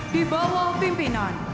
di bawah pimpinan